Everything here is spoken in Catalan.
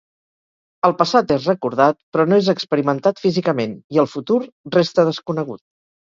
El passat és recordat però no és experimentat físicament, i el futur resta desconegut.